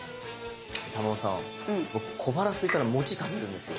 珠緒さん僕小腹すいたら餅食べるんですよ。